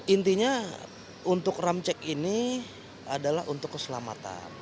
intinya untuk rem cek ini adalah untuk keselamatan